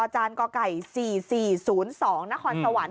จก๔๔๐๒นสวน